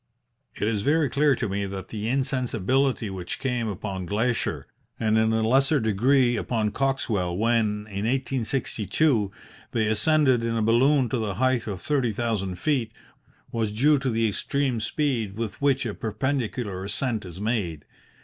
"It is very clear to me that the insensibility which came upon Glaisher, and in a lesser degree upon Coxwell, when, in 1862, they ascended in a balloon to the height of thirty thousand feet, was due to the extreme speed with which a perpendicular ascent is made.